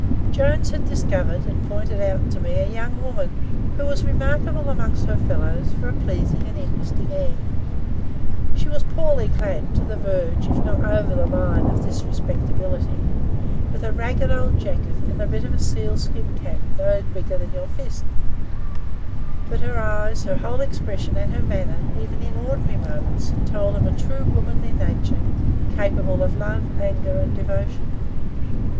Jones had discovered and pointed out to me a young woman who was remarkable among her fellows for a pleasing and interesting air. She was poorly clad, to the verge, if not over the line, of disrespectability, with a ragged old jacket and a bit of a sealskin cap no bigger than your fist; but her eyes, her whole expression, and her manner, even in ordinary moments, told of a true womanly nature, capable of love, anger, and devotion.